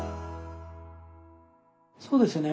そうですね